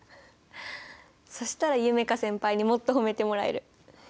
そしたら夢叶先輩にもっと褒めてもらえる。